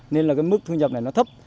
nên là mức thu nhập này nó thấp